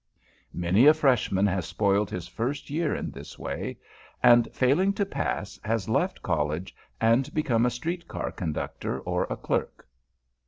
Many a Freshman has spoiled his first year in this way; and, failing to pass, has left College and become a street car conductor or a clerk.